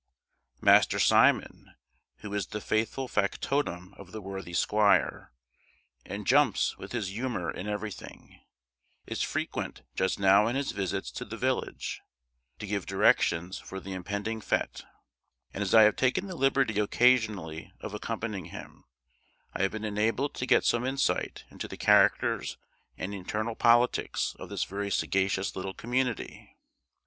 Master Simon, who is the faithful factotum of the worthy squire, and jumps with his humour in everything, is frequent just now in his visits to the village, to give directions for the impending fête; and as I have taken the liberty occasionally of accompanying him, I have been enabled to get some insight into the characters and internal politics of this very sagacious little community.